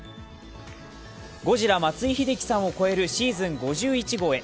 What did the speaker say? ゴジラ松井秀喜さんを超えるシーズン５１号へ。